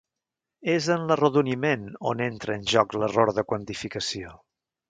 És en l'arrodoniment on entra en joc l'error de quantificació.